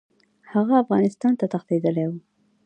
هغه افغانستان ته تښتېدلی وو.